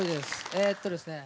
えっとですね